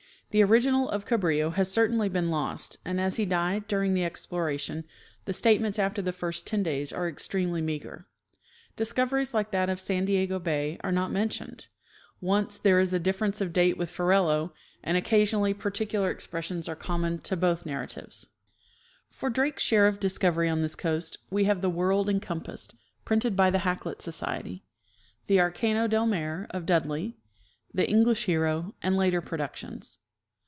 The original of Ca brillo has certainly been lost, and as he died during the explo ration the statements after the first ten days are extremely meager. Discoveries like that of San Diego bay are not men tioned ; once there is a difference of date with Ferrelo, and occasionally particular expressions are common to both narra tives. For Drake's share of discovery on this coast we have " The World Encompassed," printed by the Hakluyt Society; the "Arcano del Mare," of Dudley; the "English Hero," and later productions.